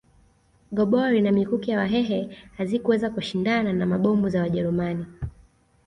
Gobori na mikuki ya Wahehe hazikuweza kushindana na mabomu za Wajerumani